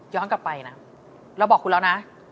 กลับไปนะเราบอกคุณแล้วนะ